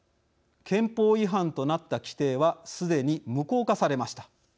憲法違反となった規定はすでに無効化されました。